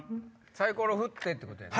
サイコロ振って！ってことやね。